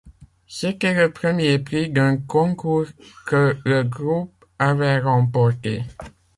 C'était le premier prix d'un concours que le groupe avait remporté.